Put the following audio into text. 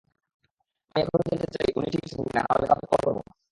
আমি এখনই জানতে চাই উনি ঠিক আছেন কিনা নাহলে কাউকে কল করব না।